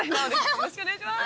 よろしくお願いします！